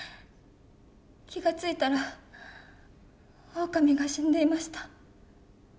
気が付いたらオオカミが死んでいました。